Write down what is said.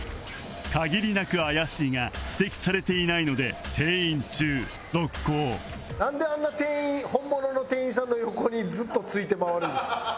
限りなく怪しいが指摘されていないので店員中続行なんであんな店員本物の店員さんの横にずっとついて回るんですか？